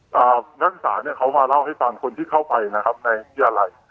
นักศึกษาเนี่ยเขามาเล่าให้ฟังคนที่เข้าไปนะครับในวิทยาลัย